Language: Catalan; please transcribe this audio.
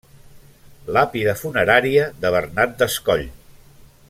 Làpida funerària de Bernat Descoll.